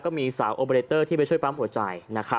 ก็มีสาวโอเบรเตอร์ที่ไปช่วยปั๊มหัวใจ